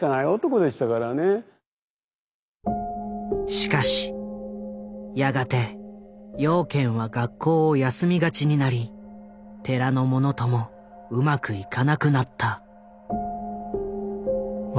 しかしやがて養賢は学校を休みがちになり寺の者ともうまくいかなくなった。